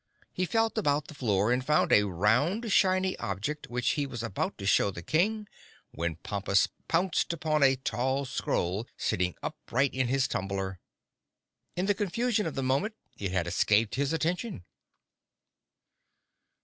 He felt about the floor and found a round shiny object which he was about to show the King when Pompus pounced upon a tall scroll sitting upright in his tumbler. In the confusion of the moment it had escaped his attention.